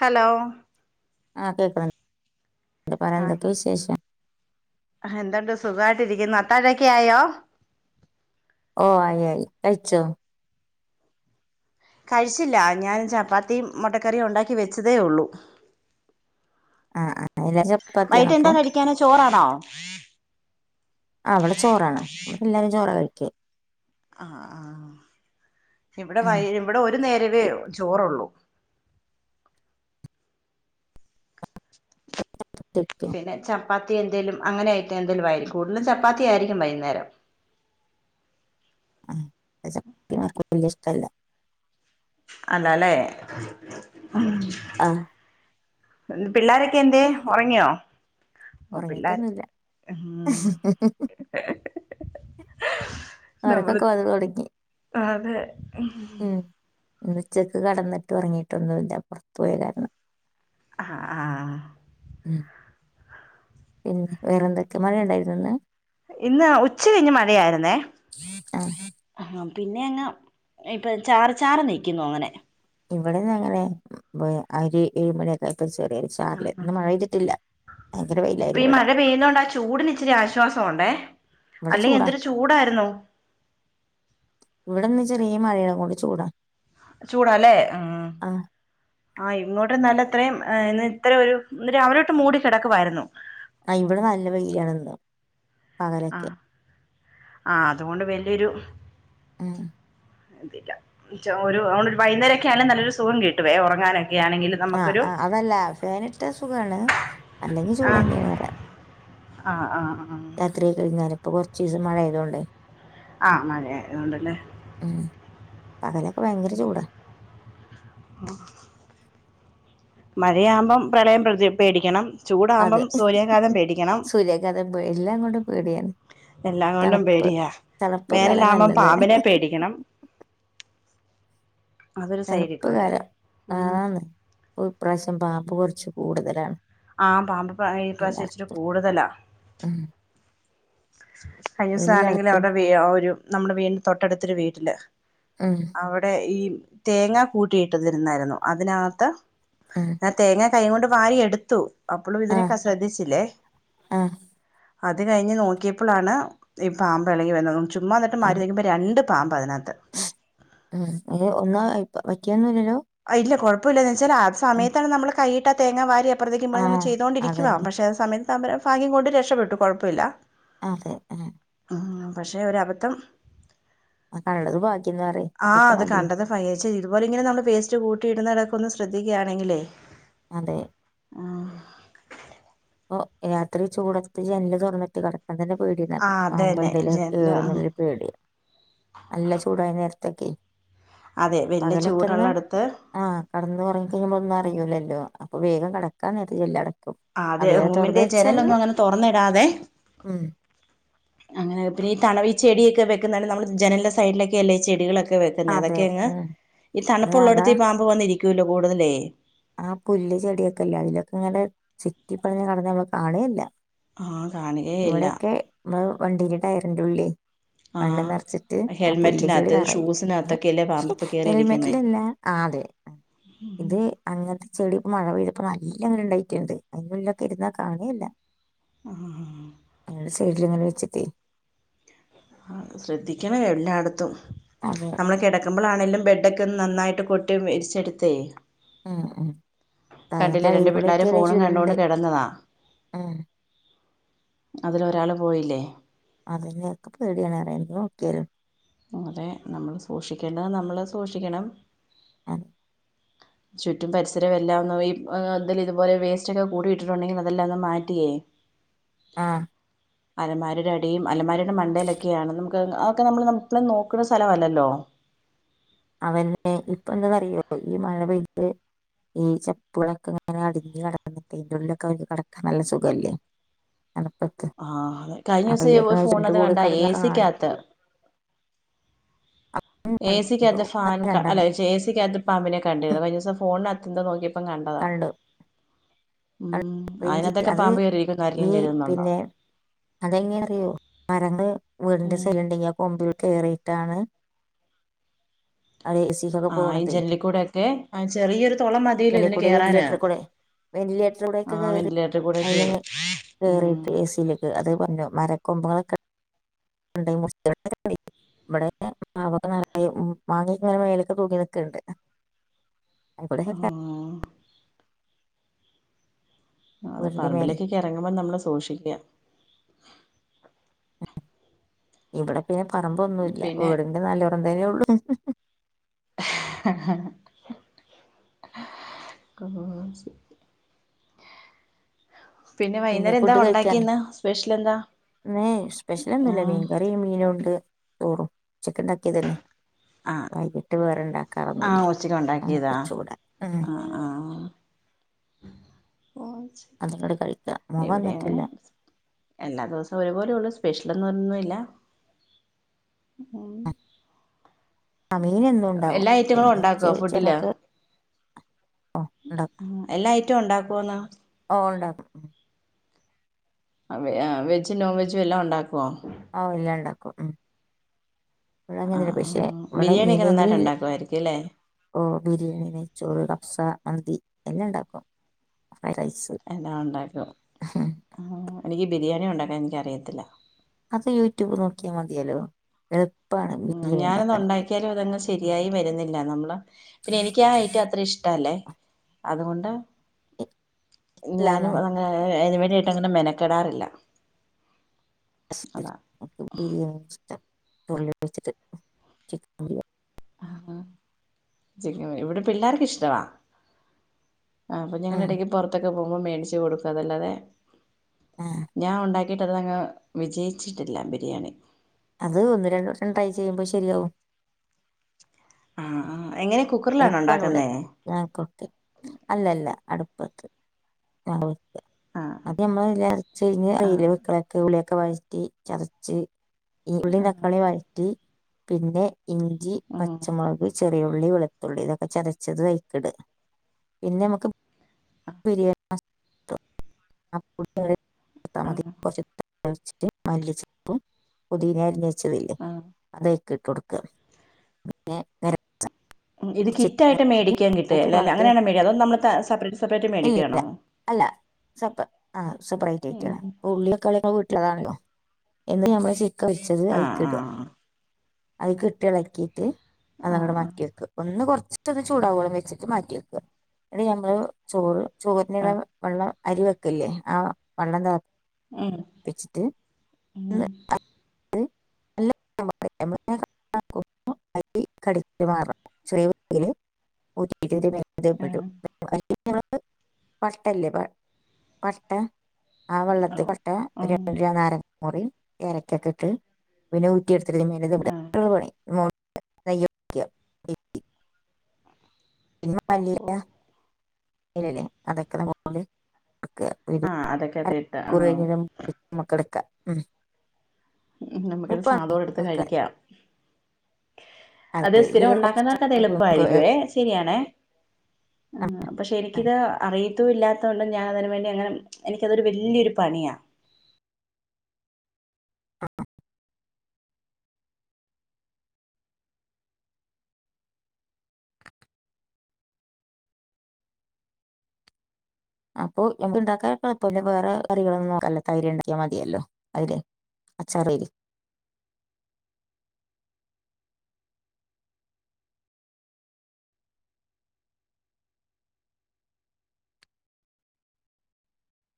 Hello ആഹ് കേക്ക്ന്നുണ്ട്. ന്നിട്ട് പറാ എന്തൊക്കെ വിശേഷം? ഹാ എന്തുണ്ട് സുഖായിട്ടിരിക്കുന്നോ അത്താഴൊക്കായോ? ഓഹ് ആയി ആയി കഴിച്ചോ? കഴിച്ചില്ല ഞാൻ ചപ്പാത്തീം മൊട്ടക്കറിയും ഉണ്ടാക്കി വെച്ചതേയൊള്ളൂ. ആഹ് ആഹ് [unintelligible] ചപ്പാത്ത്യാണോ വൈകിട്ട് എന്താ പ്പം? കഴിക്കാന് ചോറാണോ ആഹ് ഇവടെ ചോറാണ് ഇവടെല്ലാരും ചോറാ കഴിക്ക. ആഹ് ആഹ് ഇവടെ ഉം വൈ ഇവടെ ഒരു നേരവേ ചോറൊള്ളൂ. [inaudible] [unintelligible] പിന്നെ ചപ്പാത്തി എന്തേലും അങ്ങനെയായിട്ടെന്തെലുവയിരിക്കും കൂടുതലും ചപ്പാത്തിയായിരിക്കും വൈന്നേരം. ആഹ് വടെ ചപ്പാത്തി ആർക്കും വല്ല്യേഷ്ടല്ല. അല്ലാല്ലേ? ഉം. ആഹ്. ഉം പിള്ളാരെക്കെന്തേ ഒറങ്ങ്യോ? ഓഹ് പിള്ളാര് ഉറങ്ങിട്ടൊന്നുല്ല ഉം നമ്മള് ഒറക്കൊക്കെ വന്ന് തൊടങ്ങി. അതെ ഉം ഉം ഇന്നുച്ചക്ക് കടന്നിട്ട് ഒറങ്ങീട്ടൊന്നുല്ല പോർത്ത് പോയ കാരണം. ആഹ് ആഹ് ഉം പിന്നെ വേറെന്തെക്കെ മഴ ണ്ടായിര്ന്നോ ഇന്ന്? ഇന്ന് ഉച്ച കഴിഞ്ഞ് മഴയായിര്ന്നേ ആഹ് ഹാം പിന്നെ അങ്ങ് ഇപ്പൊ ചാറി ചാറി നിക്കുന്നു അങ്ങനെ ഇവടെ ഞങ്ങളെ ബ് അരി ഏഴുമണിയൊക്കായപ്പോ ചെറിയൊര് ചാറല് ഇന്ന് മഴ പെയ്തിട്ടില്ല. ഭയങ്കര ഇപ്പൊ ഈ വെയിലായിരുന്നു ഇവിടെ മഴ പെയ്യുന്നൊണ്ട ചൂടിന് ഇച്ചിരി ആശ്വാസോണ്ടേ ഇവിടെ അല്ലെങ്കി ചൂടാ എന്തൊരു ചൂ ചൂടാര്ന്നു. ഇവടെന്ന് ചെറിയ മഴയാകൊണ്ട് ചൂടാ. ചൂടാല്ലേ ആഹ്. ആഹ് ഇങ്ങോട്ട് നല്ല ത്രയും എഹ് ഇന്ന് ത്ര ഒരു ഇന്ന് രാവിലൊട്ട് മൂടി കെടക്കുവായിരുന്നു. ആഹ് ഇവടെ നല്ല വെയിലാണ്ന്ന്. ആഹ് ആഹ് അത്കൊണ്ട് വെല്ല്യൊരു ഉം [unintelligible] ഒരു ഓണ്ടൊരു വൈന്നേരെക്കാ ണെ നല്ലൊരു സുഖം കിട്ടുവേ ഒറങ്ങാനൊക്കെ ആണെങ്കില് ആഹ് ആഹ് അതല്ല ഫാനിട്ട സുഖണ്. അല്ലെങ്കിൽ ആഹ് ചൂടെന്നെ [unintelligible] ആഹ് ആഹ് ആഹ് രാത്രിയൊക്കെ [unintelligible] ഇപ്പൊ കൊറർച്ചീസം മഴെയ്തൊണ്ടേ ആഹ് മഴയായതോണ്ട്ല്ലേ ഉം പകലൊക്കെ ഭയങ്കര ചൂടാ. [unintelligible] മഴയാകുമ്പം പ്രളയം പ്രതി പേടിക്കണം. അതെ ചൂടാകുമ്പം സൂര്യാഘാതം പേടിക്കണം സൂര്യാഘാതം എല്ലാം കൊണ്ടും പേട്യാണ്. എല്ലാം കൊണ്ടും തണ്പ്പ് പേടിയാ തണ്പ്പ് കാലം വേനലാകുമ്പം നല്ലത്. പാമ്പിനെ പേടിക്കണം അതൊരു സൈഡി തണുപ്പ് കൂടെ കാലം ഉം ആന്ന് ഇപ്രാവശ്യം പാമ്പ് കൊർച്ച് കൂടുതലാണ്. ആ പാമ്പ് പാ ഈ പ്രാശ്യം ഇച്ചിരി എല്ലായിടത്തും കൂട്തലാ ഉം കഴിഞ്ഞൂസാണെങ്കില് എല്ലായിടത്തും അവിടെ വി ഒരു നമ്മുടെ വീടിൻ്റെ തൊട്ടട്ത്തൊരു വീട്ടില് ഉം അവടെ ഈ തേങ്ങ കൂട്ടിയിട്ടത്‌ര്ന്നായ്ര്ന്നു അതിനകത്ത് ഉം ഞാൻ തേങ്ങെ കൈ കൊണ്ട് വാരിയെട്ത്തു അപ്പളും ആഹ് ഇതിനെയെക്കെ ശ്രദ്ധിച്ചില്ലേ അത് കഴിഞ്ഞ് നോക്കിയപ്പളാണ് ഈ പാമ്പ് എളകി വര്ന്നതും ചുമ്മാ ന്നിട്ട് ആഹ് മര രണ്ട് പാമ്പ് അതിനകത്ത് ആഹ് അത് ഒന്നും പറ്റിയൊന്നുംല്ലല്ലോ ആഹ് ഇല്ല കുഴപ്പല്ല ന്ന് വെച്ചാല് ആ സമയത്താണ് നമ്മള് കയ്യിട്ടാ തേങ്ങാ വാരിയെ ഇപ്പർത്ത് നിക്കുമ്പ നമ്മള് ആഹ് ചെയ്തോകൊണ്ടിരിക്കുവാ അതന്നെ പക്ഷേ ആ സമയത്താവ്മ്പം ഫാഗ്യം കൊണ്ട് രക്ഷപ്പെട്ടു കാെഴപ്പ ഇല്ലാ അതെ ആഹ് അ ഹാ പക്ഷെ ഒരബദ്ധം കണ്ടത് ഭാഗ്യംന്ന് പറയ് അതൊക്കെ മതി അ ചേച്ചി ഇതു പോലെങ്ങെനെ നമ്മെള് വേസ്റ്റ് കൂട്ടി ഇട്ന്നിടെക്കെ ഒന്ന് ശ്രെദ്ധിക്കയാണെങ്കിലേ അതേ പ്പാെ രാത്രി ചൂടത്ത് ജനല് തൊറന്നിട്ട് കട ന്നാ തന്നെ പേട്യാ ഈ ആ കാൽത്ത് അതന്നെ പാമ്പെന്തേലും ജനല് ഉം കേറുംന്ന്ള്ളെരു പേടി നല്ല ചൂടായ നേര്ത്തൊക്കെ അതെ വെല്യ ചൂട്ള്ളെട്ത്ത് ആഹ് കടന്ന് ഒറങ്ങി പോവുമ്പ ഒന്നും അറിയൂലല്ലോ അപ്പൊ വേഗം കെടക്കാൻ നേരത്ത് ജൻലടക്കും ആഹ് അതെ റൂമിന്റെ ജനലൊന്നും അങ്ങെനെ തൊറന്നിടാതെ ഉം അങ്ങെനെ പിന്നെ ഈ തണലി ചെട്യൊക്കെ വെക്ക്ന്നത് നമ്മള് ജനലിന്റെ സൈഡിലൊക്കെല്ലേ ചെടികളൊക്കെ വെ ക്ക്ന്നെ അതെ അതൊക്കെ അങ്ങ് ഉം ഈ അതെ അതാ തണ്പ്പുള്ളോടത്ത് ഈ പാമ്പ് വന്നിരിക്കൂല കൂട്തലേ ആ പുല്ല് ചെടിയൊക്കെല്ലേ അയ്ലൊക്കെങ്ങെനെ ചുറ്റിപ്പെട്ഞ്ഞ് കെടന്ന നമ്മള് കാണേല്ല ആഹ് കാണുകേയില്ല ഇവടെക്കെ വ വണ്ടീന്റെ ടയറിന്റെ ഉള്ളി മണ്ണ് നെർച്ചിട്ട് ആഹ് ആ പുല്ല് ചെടി ഹെൽമെറ്റിനകത്ത് നെറയും ഷൂസിനകത്തൊക്കെയല്ലേ പാമ്പിപ്പോ കേറിയിരിക്കുന്നേ ഹെൽമെറ്റിലല്ലാ ആഹ് അതെ ഇത് അങ്ങൻത്തെ ചെടി ഇപ്പ മഴ പെയ്തപ്പ നല്ലങ്ങെനെണ്ടായിട്ട്ണ്ട് അയ്ന്റുള്ളിലൊക്കെ ഇര്ന്നാ കാണേല്ല [unintelligible] നിങ്ങൾടെ സൈഡിലിങ്ങെനെ വെച്ചിട്ടേ ശ്രദ്ധിക്കണേ എല്ലാടത്തും അതെ നമ്മള് കെടെക്ക്മ്പളാണേലും ബെഡൊക്കൊന്ന് നന്നായിട്ട് കൊട്ടി വിരിച്ചെട്ത്തേ ഉം ഉം അതിന്റെ കണ്ടില്ലേ അടിയിൽ രണ്ടു പിള്ളേര് കൂടെയൊക്കെയല്ലേ ഫോണും ചുരുണ്ട് കണ്ടോണ്ട് കെടെന്നതാ ഉം അതിലൊരാള് പോയില്ലേ അതന്നെ ക്കെ പേട്യാണ്റ്യാ [unintelligible] ഉം അതെ നമ്മള് സൂക്ഷിക്കേണ്ടത് നമ്മള് സൂക്ഷിക്കണം അതെ ചുറ്റും പരിസരവും എല്ലാം ഒന്ന് ഈ ഏഹ് എന്തേലും ഇതുപോലെ വേസ്റ്റാെക്കെ കൂട്ടിയിട്ടിട്ടുണ്ടെങ്കി അതല്ലാം ഒന്ന് മാറ്റിയേ ആഹ് അലമാരേടെ അടിയും അലമാരേടെ മണ്ടേലൊക്കെയാണ് നമുക്ക് അതൊക്കെ നമ്മള് നം മ്മള് നോക്ക്ണെ സ്ഥലവല്ലല്ലോ അവന്ന് ഇപ്പ എന്താന്നറിയോ പ്പം ഈ മഴ പെയ്തിട്ട് ഈ ചപ്പുകളൊക്കെ ഇങ്ങനെ അടിഞ്ഞ് കിട [unintelligible] ഇയിന്റുള്ളിലൊക്കെ അവർക്ക് കെടെക്കാൻ നല്ല സുഖല്ലേ അട്പ്പത്ത് ആഹ് അതെ കഴിഞ്ഞ അപ്പൊ ദിവസം ഈ ഇതൊക്കെ ഒരു കഴച്ചിട്ട് ഫോണിനകത്ത് കൂടി കണ്ടാ എ കടന്നിറങ്ങാണ് സിക്കകത്ത് എ [inaudible] സിക്കകത്ത് ഫാൻക അല്ല രണ്ടെണ്ണം എ സി ക്കകത്ത് പാമ്പിനെ കണ്ടിര്ന്നു കഴിഞ്ഞ ദിവസം ഫോണിനകത്ത് എന്തോ നോക്കിപ്പോ പ്പം കണ്ടതാ കണ്ടു ഉം റേഞ്ചി അയ്നാത്തൊക്കെ അത് പാമ്പ് കേറിയിരിക്കുംന്നാരേലും കെര്തുന്നുണ്ടോ അതെങ്ങെനേറിയോ മരങ്ങള് വീടിന്റെ ഉം സൈഡില്ണ്ടെങ്കി കൊമ്പിൽ കേറിയിട്ടാണ് അത് എ സി ആഹ് ഈ ജനലിക്കൂടെ ഒക്കെ ആ ചെറിയൊരു തുള മതിയല്ലോ നലി ഇതിന് കൂടേം കേറാന് വെന്റിലേറ്ററി കൂടേം [unintelligible] വെന്റിലേറ്ററിലൂടൊക്കെ ആഹ് കേറി വെന്റിലേറ്ററിൽ കൂടെ അതി കേറും [unintelligible] ഉം കേറിട്ട് എ സി യില് അത് പറഞ്ഞു മരക്കൊമ്പുകളൊക്കെ [unintelligible] മാങ്ങ ഇങ്ങനെ മേലേക്ക് തൂങ്ങി നിക്കണ്ട് [unintelligible] ആഹ് അത് വീടിന്റെ മേലെ പറമ്പിലേക്കൊക്കെ ഇറങ്ങുമ്പോ നമ്മള് സൂക്ഷിക്കുക ഇവിടെ പിന്നെ പറമ്പൊന്നുല്ല പിന്നെ വീടിന്റെ [unintelligible] ഉള്ളു [unintelligible] [unintelligible] പിന്നെ വൈകുന്നേരം എന്താ ഫുഡ് കഴിക്കലോ ഉണ്ടാക്കിന്ന് സ്പെഷ്യൽ എന്താ ഇന്നേ സ്പെഷ്യലൊന്നുല്ല ആഹ് മീൻ കറി ഇന്ന് മീനുണ്ട് ചോറും ഉച്ചക്ക് ഉണ്ടാക്കിയതല്ലേ ആഹ് വൈകിട്ട് വേറെണ്ടാക്കാറൊന്നുല്ല ആഹ് ഉച്ചക്ക് ഉണ്ടാക്കിയതാ [unintelligible] ഉം ആഹ് ആഹ് അതിങ്ങട് കഴിക്കുക [unintelligible] ഇവിടെ അങ്ങനെ വന്നിട്ടില്ല എല്ലാ ദെവസവും ഒരു പോലെ ഉള്ളൂ സ്പെഷ്യൽന്ന് പറഞ്ഞ് ഒന്നുയില്ല ആ മീൻ എന്നും ഉണ്ടാവും എല്ലാ ഐറ്റങ്ങളും പിന്നെ ഇറച്ചി ഉണ്ടാക്കോ ഫുഡില് ചിക്കനൊക്കെ ഓ എല്ലാ ഐറ്റോം ഉണ്ടാക്കുവോന്ന് ഓഹ് ഉണ്ടാക്കും ആഹ് വെജ് നോൺ വെജും എല്ലാം ഉണ്ടാക്കുമോ ഓഹ് എല്ലാം ഉണ്ടാക്കും ഉം ഇടെങ്ങനില്ല ആഹ് പക്ഷെ ഇവിടെ ബിരിയാണിയൊക്കെ നന്നായിട്ട് മീനെങ്കിലും ഉണ്ടാക്കുവായിരിക്കും അല്ലേ ഓഹ് ബിരിയാണി നെയ്ച്ചോറ് കഫ്സ മന്തി എല്ലാം ഉണ്ടാക്കും ഫ്രൈഡ് റൈസ് എല്ലാം ഉണ്ടാക്കും എനിക്ക് ബിരിയാണി ഉണ്ടാക്കാൻ എനിക്കറിയത്തില്ല അത് യൂട്യൂബ് നോക്കിയാൽ മതിയല്ലോ എളുപ്പമാണ് ബിരിയാണി ഉണ്ടാക്കാൻ ഒരിക്കലും അതങ്ങ് ശരിയായി വരുന്നില്ല നമ്മള് പിന്നെ എനിക്ക് ആ അയിറ്റം അത്ര ഇഷ്ടല്ലേ അതുകൊണ്ട് ഞാനും എല്ലാന്നോ അങ്ങനെ അതിന് വേണ്ടിയിട്ട് അങ്ങനെ മെനക്കെടാറില്ല അതാ [unintelligible] ബിരിയാണി ഇഷ്ടം ഉള്ളി വച്ചിട്ട് ചിക്കൻ [unintelligible] ആഹ് ചിക്കൻ ബിരിയാണി ഇവിടെ പിള്ളേർക്ക് ഇഷ്ടവാ ആഹ് അപ്പ ഞങ്ങള് ഉം ഇടക്ക് പൊറത്തൊക്കെ പോകുമ്പോ മേടിച്ചു കൊടുക്കും അതല്ലാതെ- ആഹ് ഞാൻ ഉണ്ടാക്കിയിട്ട് അത് അങ്ങ് വിജയിച്ചിട്ടില്ല ബിരിയാണി അത് ഒന്ന് രണ്ട് വട്ടം ട്രൈ ചെയ്യുമ്പോൾ ശരിയാവും ആഹ് ആഹ് എങ്ങനെ കുക്ക്- എളുപ്പം ആണ് ഇവിടെ അല്ലല്ല അടുപ്പത്ത് കാവുത്ത് ആ അത് നമ്മള് അര്ച്ച് കഴിഞ്ഞാൽ ആ അയ്ല് വെക്ക്ണേ ക്ക് ഉ വഴറ്റി ചതച്ച് ഈ ഉള്ളിയും ആ തക്കാളിയും വഴറ്റി പിന്നെ- ഇഞ്ചി ഉം പച്ചമുളക് ചെറിയുള്ളി വെളു- ഉള്ളി ഇതൊക്കെ ചതച്ചത് അയി ക്കിട് പിന്നെ നമുക്ക് ബിരി- [unintelligible] ആ ച്ചിട്ട് മല്ലിചെപ്പും പൊതീന അരിഞ്ഞു വെച്ചത് ഇല്ലേ ആ അതായ്- ഇട്ടുകൊടുക്കുവാ പിന്നെ- ഇത് നിറച്ചിട്ട് കിറ്റായിട്ട് മേടിക്കാൻ കിട്ടുക ഉപ്പ് അല്ല പാകത്തിന് അങ്ങനെയാണോ മേടിക്കുക അതോ നമ്മള് സപ്പറേറ്റ് സപ്പറേറ് ആയിട്ട് ഇല്ലില്ല മേടിക്കുകയാണോ അല്ല സപ്പറേറ് ആയിട്ട് ഉം ഉള്ളി [unintelligible] ഒക്കെ വീട്ടിലുള്ള [unintelligible] താണല്ലോ. എന്നട്ട് ഞമ്മൾ ചിക്കൻ പൊരിച്ചത് ആ അയിലേക്ക് ആ ഇടുക അയീക്കിട്ട് ഇളക്കിയിട്ട് അത് ആ അങ്ങട്ട് ആ മാറ്റി വെക്ക. ഒന്ന് കൊറച്ചിട്ട് ഒന്ന് ചൂടാവോളം വെച്ചിട്ട് മാറ്റി വെക്കുക എന്നിട്ട് ഞമ്മള് ചോറ്- ആ ചോറിനുള്ള വെള്ളം അരി വെക്കലില്ലേ ആ വെള്ളം തെളിപ്പിച്ച്‌- ഉം വെച്ചിട്ട് ഉം [unintelligible] അരി കടി മാരേ [unintelligible] നം ചെറിയ വേവിൻ ഊട്ടീറ്റ് ആ [unintelligible] വട്ട ഇല്ലേ വട്ട ആ ഓ വെള്ളത്തിലെക്ക് ഒരു ഉം നാരങ്ങ മുറി ഏലക്കയൊക്കെ ഇട്ട് പിന്നെ- ഉറ്റിയെടുത്തിട്ട് ആ [unintelligible] [unintelligible] ഓ കൊടുക്കുക ആ അതൊക്കെ അര അതിട്ട് മണിക്കൂർ ആ കയിഞ്ഞു ഞമ്മൾക്ക് എട്ക്കാം ഉം നമ്മുക്കത് സ്വാദോടെ എടുത്തു വെക്കുക കഴിക്കാം അത് ഇതിൽ സ്ഥിരം കുറച്ച് ഉണ്ടാക്കുന്നോർക്ക് അത് കുരുമുളക് ഏ, എളുപ്പായിരിക്കുവേ ശരിയാണ് ആ, ആഹ് പക്ഷെ ആ. എനിക്കിത് അറിയത്തും ഇല്ലാത്ത കൊണ്ട് ഞാൻ അതിന് വേണ്ടി അങ്ങനെ എനിക്കതൊരു വലിയൊരു പണിയാ.. അപ്പൊ നമുക്ക് ണ്ടാക്കാൻകുഴപ്പമില്ല വേറെ കറികളൊന്നും നോക്കല്ല തൈര് ഉണ്ടാക്കിയാൽ മതിയല്ലോ അതില് അച്ചാർ അല്ലേ